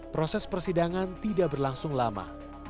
proses persidangan tidak berlangsung lama